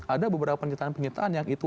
ada beberapa penyertaan penyertaan yang itu